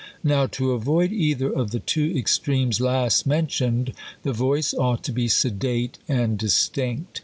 Now, to avoid either of the two extremes last mentioned, the voice ought to be sedate and distinct.